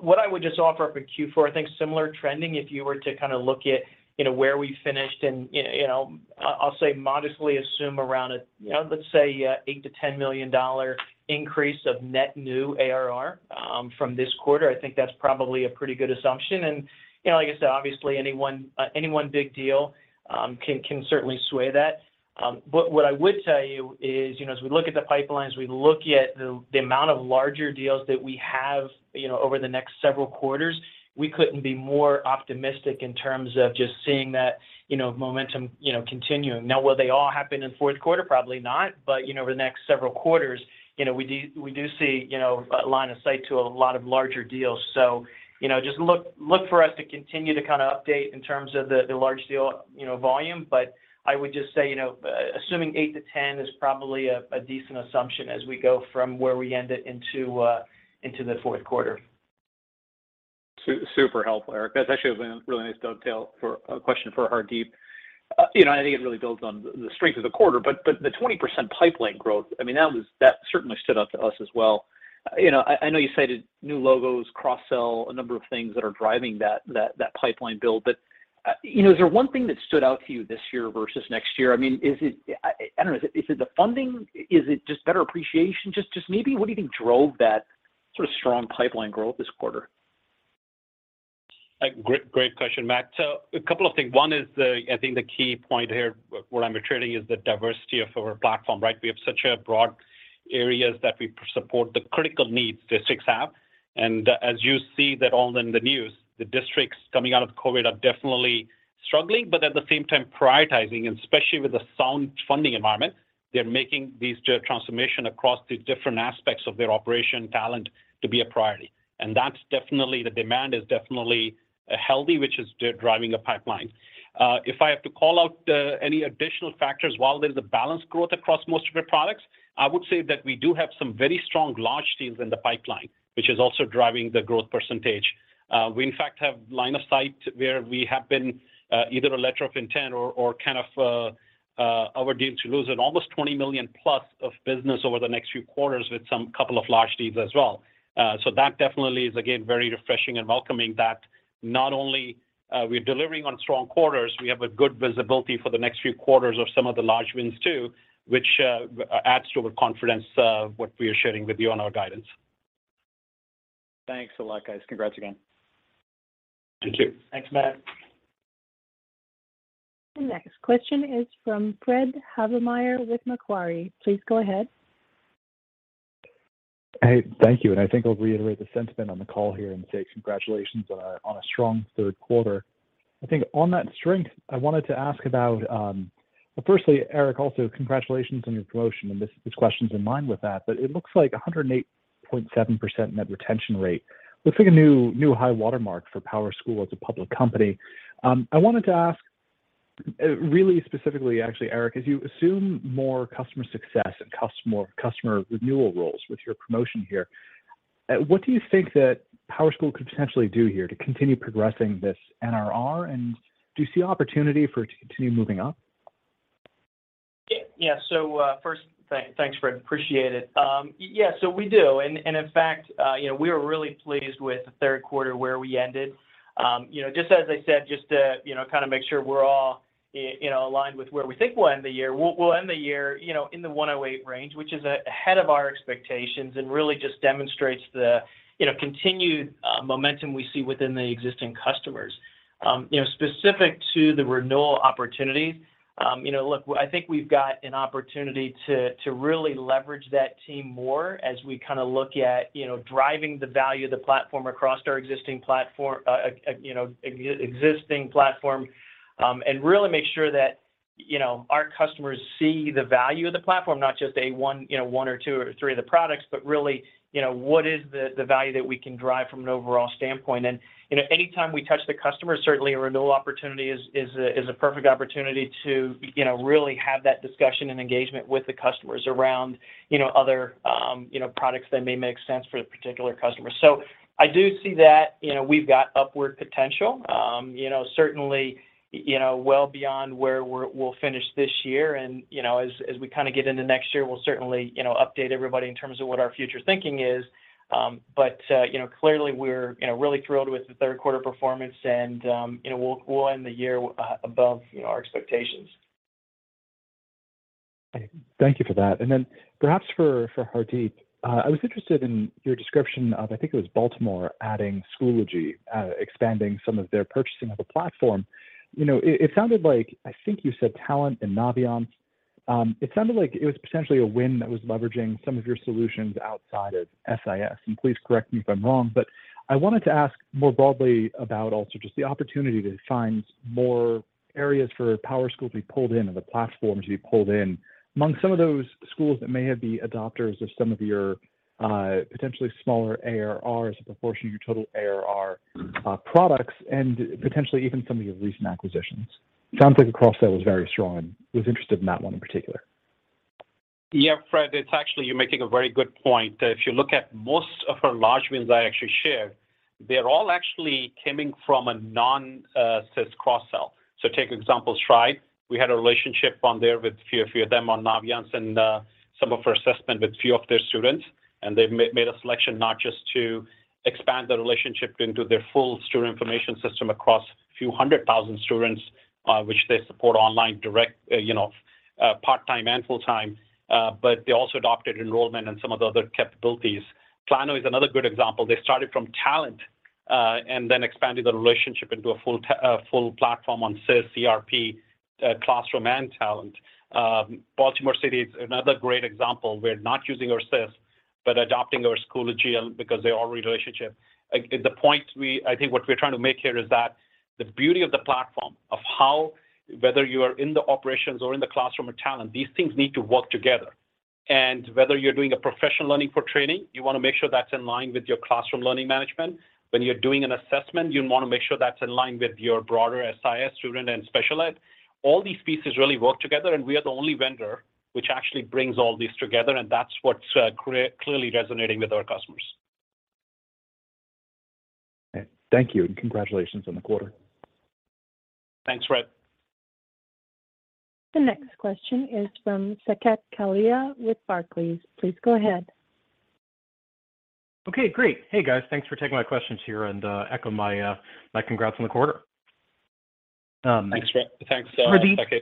What I would just offer up for Q4, I think similar trending, if you were to kinda look at, you know, where we finished and, you know, I'll say modestly assume around, you know, let's say an $8 million-$10 million increase of net new ARR from this quarter. I think that's probably a pretty good assumption. You know, like I said, obviously any one big deal can certainly sway that. What I would tell you is, you know, as we look at the pipelines, we look at the amount of larger deals that we have, you know, over the next several quarters, we couldn't be more optimistic in terms of just seeing that, you know, momentum, you know, continuing. Now, will they all happen in fourth quarter? Probably not. You know, over the next several quarters, you know, we do see, you know, a line of sight to a lot of larger deals. You know, just look for us to continue to kinda update in terms of the large deal, you know, volume.I would just say, you know, assuming 8-10 is probably a decent assumption as we go from where we ended into the fourth quarter. Super helpful, Eric. That's actually a really nice dovetail for a question for Hardeep. You know, I think it really builds on the strength of the quarter. The 20% pipeline growth, I mean, that certainly stood out to us as well. You know, I know you cited new logos, cross-sell, a number of things that are driving that pipeline build. You know, is there one thing that stood out to you this year versus next year? I mean, I don't know. Is it the funding? Is it just better appreciation? Just maybe, what do you think drove that sort of strong pipeline growth this quarter? Great question, Matt. A couple of things. One is the, I think the key point here where I'm iterating is the diversity of our platform, right? We have such a broad areas that we support the critical needs districts have. As you see that all in the news, the districts coming out of COVID are definitely struggling, but at the same time prioritizing, especially with the sound funding environment, they're making these transformation across the different aspects of their operation talent to be a priority. That's definitely the demand is definitely healthy, which is driving the pipeline. If I have to call out any additional factors, while there's a balanced growth across most of our products, I would say that we do have some very strong large deals in the pipeline, which is also driving the growth percentage. We in fact have line of sight where we have been either a letter of intent or kind of our deals to lose at almost $20 million plus of business over the next few quarters with some couple of large deals as well. That definitely is again very refreshing and welcoming that not only are we delivering on strong quarters, we have good visibility for the next few quarters of some of the large wins too, which adds to our confidence of what we are sharing with you on our guidance. Thanks a lot, guys. Congrats again. Thank you. Thanks, Matt. The next question is from Fred Havemeyer with Macquarie. Please go ahead. Hey, thank you, and I think I'll reiterate the sentiment on the call here and say congratulations on a strong third quarter. I think on that strength, I wanted to ask about. Well, firstly, Eric, also congratulations on your promotion, and this question's in line with that. It looks like 108.7% net retention rate. Looks like a new high watermark for PowerSchool as a public company. I wanted to ask, really specifically actually, Eric, as you assume more customer success and more customer renewal roles with your promotion here, what do you think that PowerSchool could potentially do here to continue progressing this NRR, and do you see opportunity for it to continue moving up? Yeah, first, thanks, Fred. Appreciate it. We do. In fact, you know, we were really pleased with the third quarter where we ended. You know, just as I said, just to, you know, kinda make sure we're all, you know, aligned with where we think we'll end the year. We'll end the year, you know, in the 108 range, which is ahead of our expectations and really just demonstrates the, you know, continued momentum we see within the existing customers. You know, specific to the renewal opportunities, you know, look, I think we've got an opportunity to really leverage that team more as we kinda look at, you know, driving the value of the platform across our existing platform, and really make sure that, you know, our customers see the value of the platform, not just one or two or three of the products, but really, you know, what is the value that we can drive from an overall standpoint. You know, anytime we touch the customer, certainly a renewal opportunity is a perfect opportunity to, you know, really have that discussion and engagement with the customers around, you know, other products that may make sense for the particular customer. I do see that, you know, we've got upward potential, you know, certainly, you know, well beyond where we'll finish this year. You know, as we kinda get into next year, we'll certainly, you know, update everybody in terms of what our future thinking is. You know, clearly we're, you know, really thrilled with the third quarter performance and, you know, we'll end the year above, you know, our expectations. Thank you for that. Perhaps for Hardeep, I was interested in your description of, I think it was Baltimore adding Schoology, expanding some of their purchasing of the platform. You know, it sounded like, I think you said talent and Naviance. It sounded like it was potentially a win that was leveraging some of your solutions outside of SIS. Please correct me if I'm wrong, but I wanted to ask more broadly about also just the opportunity to find more areas for PowerSchool to be pulled in and the platforms to be pulled in among some of those schools that may have been adopters of some of your potentially smaller ARR as a proportion of your total ARR products and potentially even some of your recent acquisitions. Sounds like the cross-sell was very strong. I was interested in that one in particular. Yeah, Fred, it's actually you're making a very good point. If you look at most of our large wins I actually shared, they're all actually coming from a non-SIS cross-sell. So take example Stride. We had a relationship on there with few of them on Naviance and some of our assessment with few of their students. They made a selection not just to expand the relationship into their full student information system across a few hundred thousand students, which they support online direct, you know, part-time and full-time, but they also adopted enrollment and some of the other capabilities. Plano is another good example. They started from talent and then expanded the relationship into a full platform on SIS, ERP, classroom and talent. Baltimore City is another great example. We're not using our SIS, but adopting our Schoology because they already have a relationship. I think what we're trying to make here is that the beauty of the platform of how whether you are in the operations or in the classroom or talent, these things need to work together. Whether you're doing a professional learning for training, you wanna make sure that's in line with your classroom learning management. When you're doing an assessment, you wanna make sure that's in line with your broader SIS student and special ed. All these pieces really work together, and we are the only vendor which actually brings all these together, and that's what's clearly resonating with our customers. Thank you, and congratulations on the quarter. Thanks, Fred. The next question is from Saket Kalia with Barclays. Please go ahead. Okay, great. Hey, guys. Thanks for taking my questions here and echo my congrats on the quarter. Thanks, Saket. Thanks, Saket. Hardeep.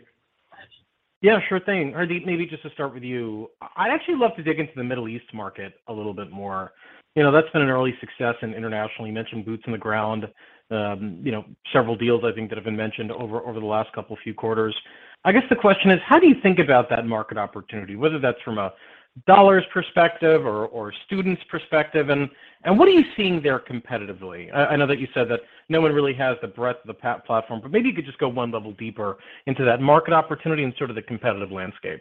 Yeah, sure thing. Hardeep, maybe just to start with you. I'd actually love to dig into the Middle East market a little bit more. You know, that's been an early success in international. You mentioned boots on the ground, you know, several deals I think that have been mentioned over the last couple few quarters. I guess the question is, how do you think about that market opportunity, whether that's from a dollars perspective or students perspective? What are you seeing there competitively? I know that you said that no one really has the breadth of the platform, but maybe you could just go one level deeper into that market opportunity and sort of the competitive landscape.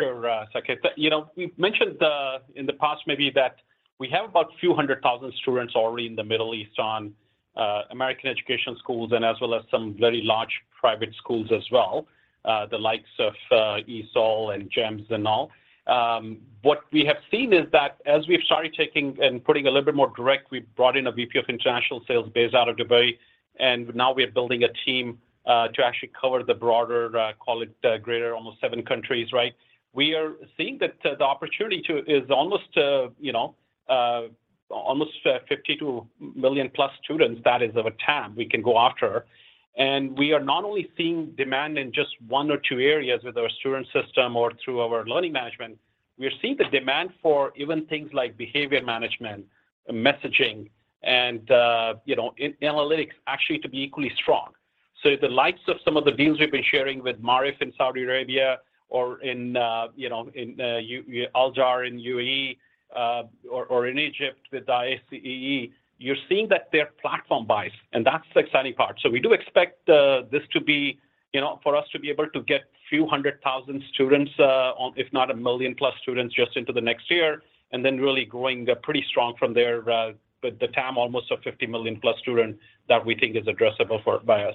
Sure, Saket. You know, we've mentioned that in the past maybe that we have about a few hundred thousand students already in the Middle East on American educational schools and as well as some very large private schools as well, the likes of ESOL and GEMS and all. What we have seen is that as we've started taking and putting a little bit more direct, we've brought in a VP of international sales based out of Dubai, and now we are building a team to actually cover the broader, call it, greater almost seven countries, right? We are seeing that the opportunity is almost, you know, almost 52 million-plus students that is of a TAM we can go after. We are not only seeing demand in just one or two areas with our student system or through our learning management. We are seeing the demand for even things like behavior management, messaging, and, you know, analytics actually to be equally strong. The likes of some of the deals we've been sharing with Maarif in Saudi Arabia or in, you know, in, Aldar in UAE, or in Egypt with the ISEE, you're seeing that they're platform buys, and that's the exciting part. We do expect this to be, you know, for us to be able to get a few hundred thousand students, on if not a million-plus students just into the next year, and then really growing pretty strong from there, with the TAM almost of 50 million-plus students that we think is addressable by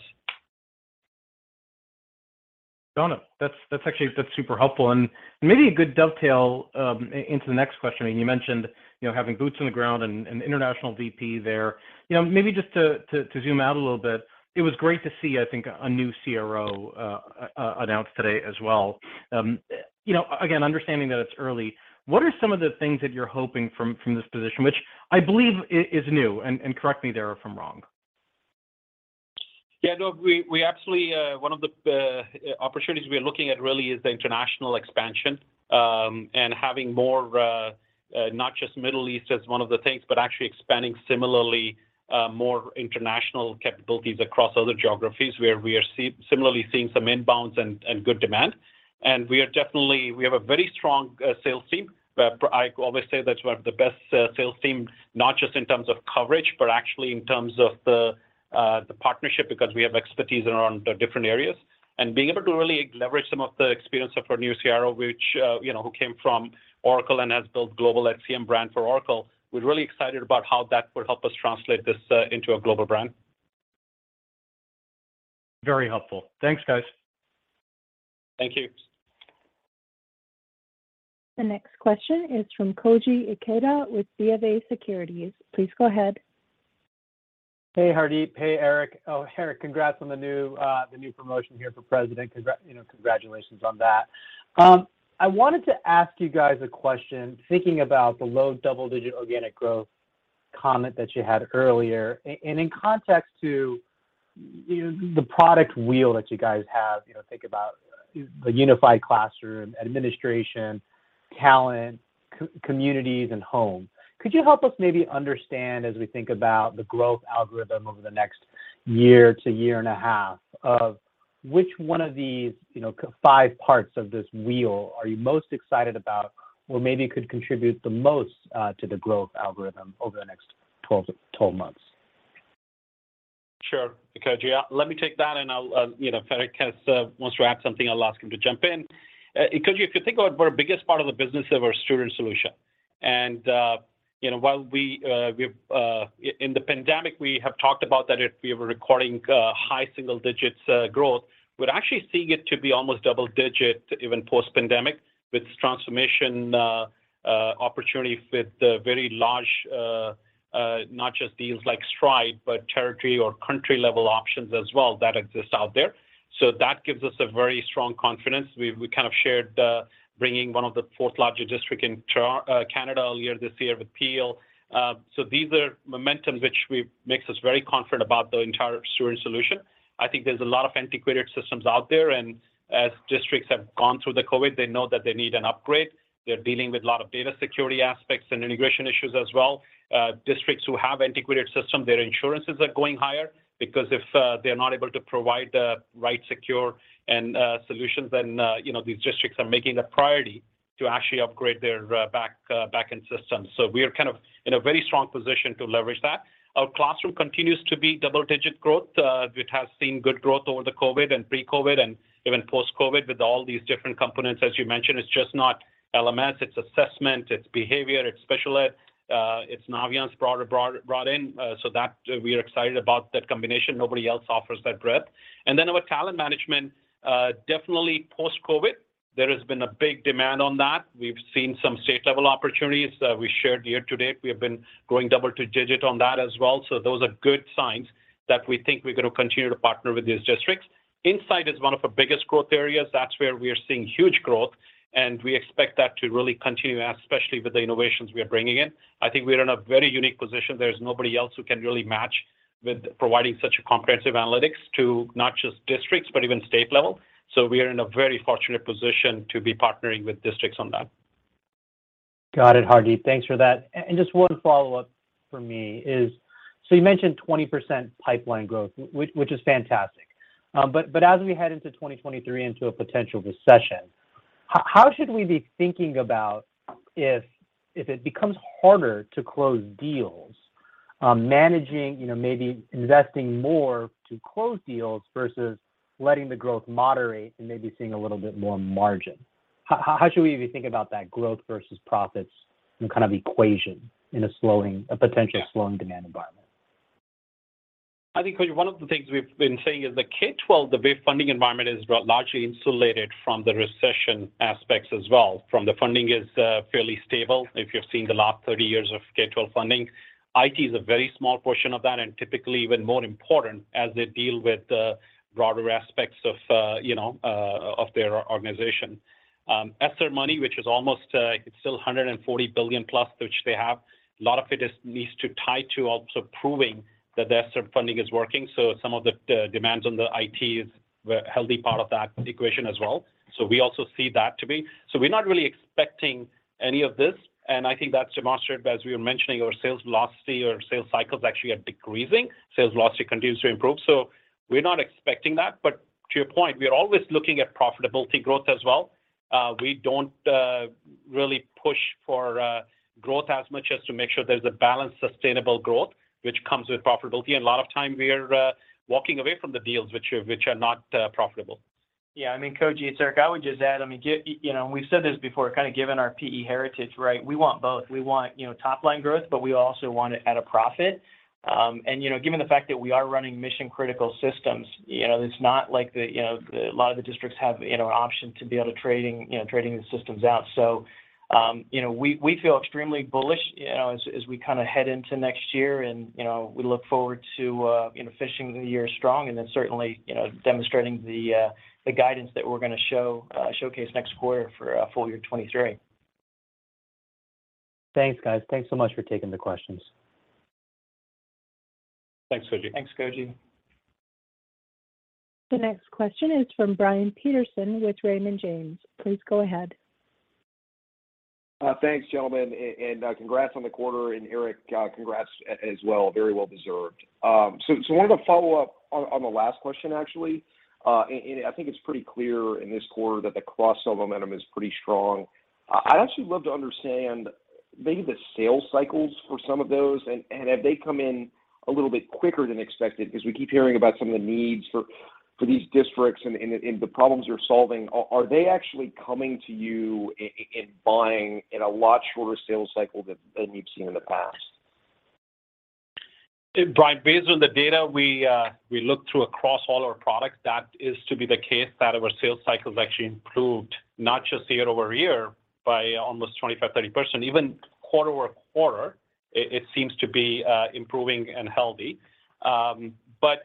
us. Got it. That's actually. That's super helpful and maybe a good dovetail into the next question. I mean, you mentioned, you know, having boots on the ground and international VP there. You know, maybe just to zoom out a little bit, it was great to see, I think, a new CRO announced today as well. You know, again, understanding that it's early, what are some of the things that you're hoping from this position, which I believe is new, and correct me there if I'm wrong. Yeah, no, we absolutely, one of the opportunities we are looking at really is the international expansion, and having more, not just Middle East as one of the things, but actually expanding similarly, more international capabilities across other geographies where we are similarly seeing some inbounds and good demand. We have a very strong sales team. I always say that's one of the best sales team, not just in terms of coverage, but actually in terms of the partnership, because we have expertise around the different areas. Being able to really leverage some of the experience of our new CRO, which, you know, who came from Oracle and has built global HCM brand for Oracle, we're really excited about how that would help us translate this into a global brand. Very helpful. Thanks, guys. Thank you. The next question is from Koji Ikeda with BofA Securities. Please go ahead. Hey, Hardeep. Hey, Eric. Oh, Eric, congrats on the new promotion here for president. You know, congratulations on that. I wanted to ask you guys a question, thinking about the low double-digit organic growth. Comment that you had earlier. In context to, you know, the product wheel that you guys have, you know, think about the Unified Classroom, administration, talent, communities and home. Could you help us maybe understand as we think about the growth algorithm over the next year-to-year and a half of which one of these, you know, five parts of this wheel are you most excited about or maybe could contribute the most to the growth algorithm over the next 12 months? Sure, Koji. Let me take that, and I'll, you know, if Eric wants to add something, I'll ask him to jump in. Because if you think about our biggest part of the business, our student solution. You know, while in the pandemic, we have talked about that we were recording high single-digit growth, we're actually seeing it to be almost double-digit even post-pandemic with transformation opportunity with very large, not just deals like Stride, but territory or country-level options as well that exist out there. That gives us a very strong confidence. We've kind of shared, bringing one of the fourth-largest district in Canada earlier this year with Peel. This is momentum which makes us very confident about the entire student solution. I think there's a lot of antiquated systems out there, and as districts have gone through COVID, they know that they need an upgrade. They're dealing with a lot of data security aspects and integration issues as well. Districts who have antiquated system, their insurances are going higher because if they're not able to provide the right secure and solutions, then you know, these districts are making a priority to actually upgrade their backend systems. We are kind of in a very strong position to leverage that. Our classroom continues to be double-digit growth. It has seen good growth over COVID and pre-COVID and even post-COVID with all these different components. As you mentioned, it's just not LMS, it's assessment, it's behavior, it's special ed, it's Naviance broader brought in, so that we are excited about that combination. Nobody else offers that breadth. With talent management, definitely post-COVID, there has been a big demand on that. We've seen some state level opportunities, we shared year-to-date. We have been growing double-digit on that as well. Those are good signs that we think we're gonna continue to partner with these districts. Insight is one of our biggest growth areas. That's where we are seeing huge growth, and we expect that to really continue, especially with the innovations we are bringing in. I think we are in a very unique position. There's nobody else who can really match with providing such a comprehensive analytics to not just districts, but even state level. We are in a very fortunate position to be partnering with districts on that. Got it, Hardeep. Thanks for that. Just one follow-up from me is, so you mentioned 20% pipeline growth, which is fantastic. But as we head into 2023 into a potential recession, how should we be thinking about if it becomes harder to close deals, managing, you know, maybe investing more to close deals versus letting the growth moderate and maybe seeing a little bit more margin? How should we even think about that growth versus profits and kind of equation in a potential slowing demand environment? I think one of the things we've been saying is the K-12, the way funding environment is largely insulated from the recession aspects as well. The funding is fairly stable. If you've seen the last 30 years of K-12 funding, IT is a very small portion of that, and typically even more important as they deal with the broader aspects of their organization. ESSER money, which is almost, it's still $140 billion plus which they have, a lot of it needs to tie to also proving that their ESSER funding is working. Some of the demands on the IT is a healthy part of that equation as well. We also see that to be. We're not really expecting any of this, and I think that's demonstrated as we were mentioning our sales velocity or sales cycles actually are decreasing. Sales velocity continues to improve. We're not expecting that. To your point, we are always looking at profitability growth as well. We don't really push for growth as much as to make sure there's a balanced, sustainable growth which comes with profitability. A lot of time we are walking away from the deals which are not profitable. Yeah, I mean, Koji and Eric, I would just add, I mean, you know, we've said this before, kind of given our PE heritage, right? We want both. We want, you know, top-line growth, but we also want it at a profit. You know, given the fact that we are running mission-critical systems, you know, it's not like a lot of the districts have the option to be able to trade the systems out. So, you know, we feel extremely bullish, you know, as we kinda head into next year and, you know, we look forward to finishing the year strong and then certainly, you know, demonstrating the guidance that we're gonna showcase next quarter for full year 2023. Thanks, guys. Thanks so much for taking the questions. Thanks, Koji. Thanks, Koji. The next question is from Brian Peterson with Raymond James. Please go ahead. Thanks, gentlemen, and congrats on the quarter, and Eric, congrats as well. Very well deserved. Wanted to follow up on the last question, actually. I think it's pretty clear in this quarter that the cross-sell momentum is pretty strong. I'd actually love to understand maybe the sales cycles for some of those, and have they come in a little bit quicker than expected? Because we keep hearing about some of the needs for these districts and the problems you're solving. Are they actually coming to you and buying in a lot shorter sales cycle than you've seen in the past? Brian, based on the data we looked through across all our products, that is to be the case, that our sales cycles actually improved, not just year-over-year by almost 25%-30%. Even quarter-over-quarter, it seems to be improving and healthy.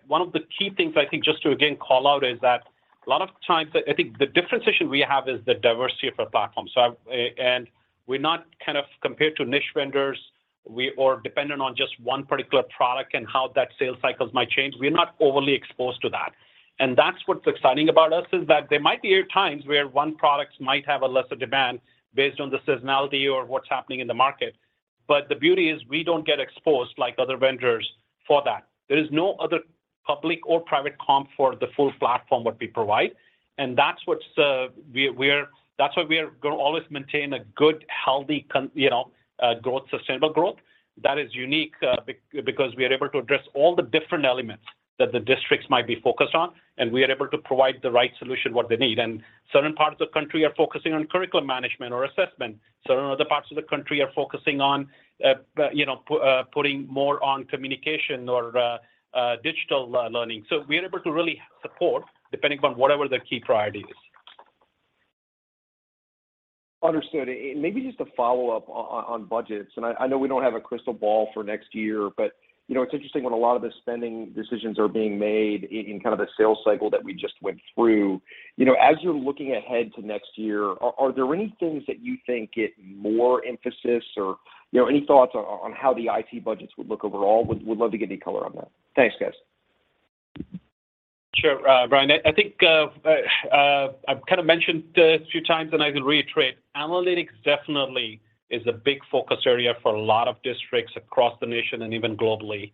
One of the key things I think just to again call out is that a lot of times, I think the differentiation we have is the diversity of our platform. We're not kind of compared to niche vendors or dependent on just one particular product and how that sales cycles might change. We're not overly exposed to that. That's what's exciting about us, is that there might be times where one product might have a lesser demand based on the seasonality or what's happening in the market, but the beauty is we don't get exposed like other vendors for that. There is no other public or private comp for the full platform what we provide, and that's what's we're gonna always maintain a good, healthy growth, sustainable growth that is unique, because we are able to address all the different elements that the districts might be focused on, and we are able to provide the right solution, what they need. Certain parts of the country are focusing on curriculum management or assessment. Certain other parts of the country are focusing on putting more on communication or digital learning. We are able to really support depending upon whatever their key priority is. Understood. Maybe just a follow-up on budgets. I know we don't have a crystal ball for next year, but you know, it's interesting when a lot of the spending decisions are being made in kind of the sales cycle that we just went through. You know, as you're looking ahead to next year, are there any things that you think get more emphasis or, you know, any thoughts on how the IT budgets would look overall? Would love to get any color on that. Thanks, guys. Sure, Brian. I think, I've kinda mentioned a few times, and I will reiterate, analytics definitely is a big focus area for a lot of districts across the nation and even globally,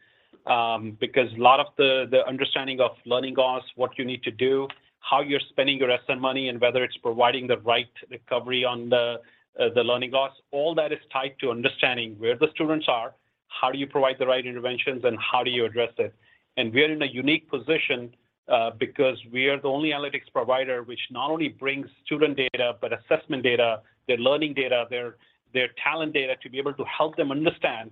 because a lot of the understanding of learning loss, what you need to do, how you're spending your ESSER money, and whether it's providing the right recovery on the learning loss, all that is tied to understanding where the students are, how do you provide the right interventions, and how you address it. We are in a unique position because we are the only analytics provider which not only brings student data, but assessment data, their learning data, their talent data to be able to help them understand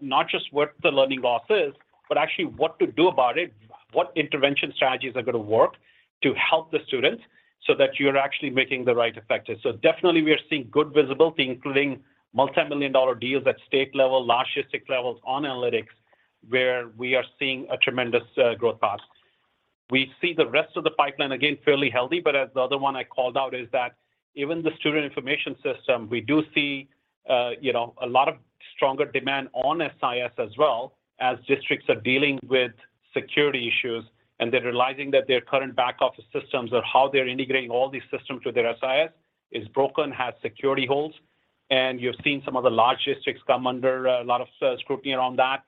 not just what the learning loss is, but actually what to do about it, what intervention strategies are gonna work to help the students so that you're actually making the right effect. Definitely we are seeing good visibility, including multimillion-dollar deals at state level, large district levels on analytics, where we are seeing a tremendous growth path. We see the rest of the pipeline, again, fairly healthy, but as the other one I called out is that even the student information system, we do see a lot of stronger demand on SIS as well as districts are dealing with security issues, and they're realizing that their current back office systems or how they're integrating all these systems with their SIS is broken, has security holes. You're seeing some of the large districts come under a lot of scrutiny around that.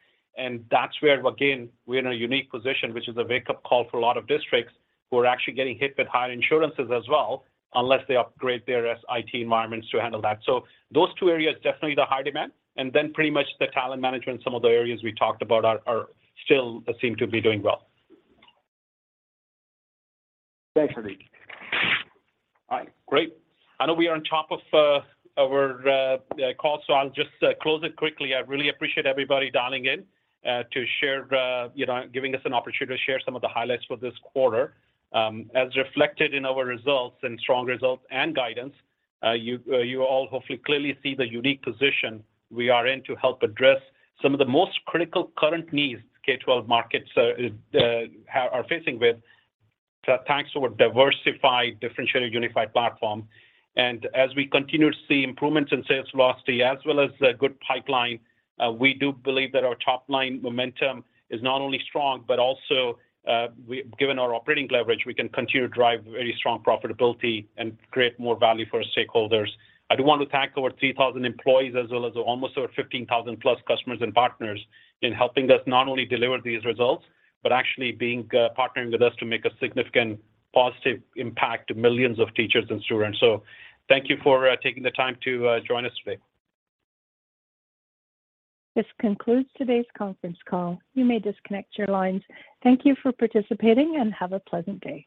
That's where, again, we're in a unique position, which is a wake-up call for a lot of districts who are actually getting hit with higher insurances as well, unless they upgrade their IT environments to handle that. Those two areas definitely the high demand. Pretty much the talent management, some of the areas we talked about are still seem to be doing well. Thanks, Hardeep. All right. Great. I know we are on top of our call, so I'll just close it quickly. I really appreciate everybody dialing in to share, you know, giving us an opportunity to share some of the highlights for this quarter. As reflected in our strong results and guidance, you all hopefully clearly see the unique position we are in to help address some of the most critical current needs K-12 markets are facing with thanks to our diversified, differentiated, unified platform. As we continue to see improvements in sales velocity as well as good pipeline, we do believe that our top-line momentum is not only strong, but also, given our operating leverage, we can continue to drive very strong profitability and create more value for our stakeholders. I do want to thank our 3,000 employees as well as almost our 15,000+ customers and partners in helping us not only deliver these results, but actually partnering with us to make a significant positive impact to millions of teachers and students. Thank you for taking the time to join us today. This concludes today's conference call. You may disconnect your lines. Thank you for participating and have a pleasant day.